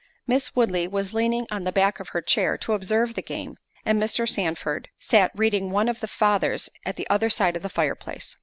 Miss Woodley was leaning on the back of her chair to observe the game, and Mr. Sandford sat reading one of the Fathers at the other side of the fire place.